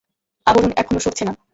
আবরণ এখনো সরছে না।